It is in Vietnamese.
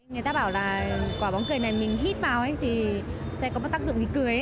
người ta bảo là quả bóng cười này mình hít vào thì sẽ có tác dụng gì cười